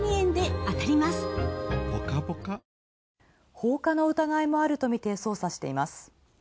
放火の疑いもあると見て捜査しています。